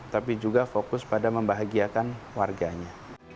tapi juga fokus pada membahagiakan warganya